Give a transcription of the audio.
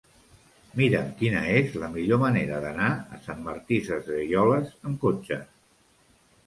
Mira'm quina és la millor manera d'anar a Sant Martí Sesgueioles amb cotxe.